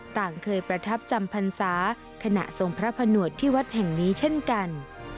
ต่างเคยประทับจำพรรษาขณะทรงพระผนวดที่วัดแห่งนี้เช่นกัน